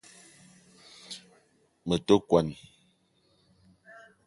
Me te kwuan